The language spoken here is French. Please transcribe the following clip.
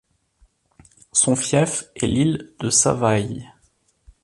Son fief est l'ile de Sava'i.